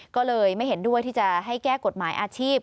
ก็เลยไม่เห็นด้วยที่จะให้แก้กฎหมายอาชีพ